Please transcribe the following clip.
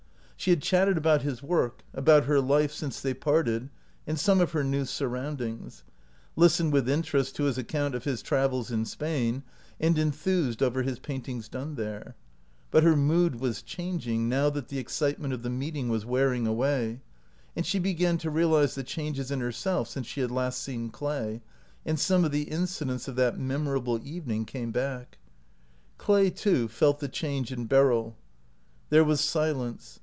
She had OUT OF BOHEMIA chatted about his work, about her life since they parted, and some of her new surround ings; listened with interest to his account of his travels in Spain, and enthused over his paintings done there; but her mood was changing now that the excitement of the meeting was wearing away, and she be gan to realize the changes in herself since she had last seen Clay, and some of the in cidents of that memorable evening came back. Clay too felt the change in Beryl. There was silence.